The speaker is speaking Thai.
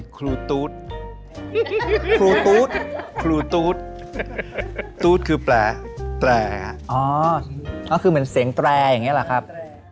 ครูตุ๊ดอืมครับ